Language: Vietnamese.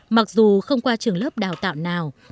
mặc dù không qua trường lớp đào tạo nào